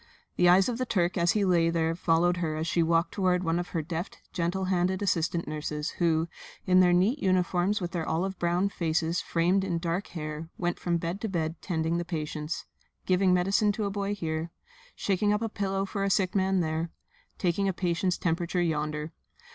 The eyes of the Turk as he lay there followed her as she walked toward one of her deft, gentle handed assistant nurses who, in their neat uniforms with their olive brown faces framed in dark hair, went from bed to bed tending the patients; giving medicine to a boy here, shaking up a pillow for a sick man there, taking a patient's temperature yonder.